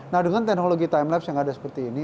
nah dengan teknologi time labs yang ada seperti ini